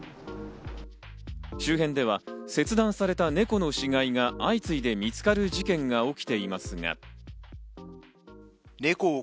周辺では切断された猫の死骸が相次いで見つかる事件が起きていますが。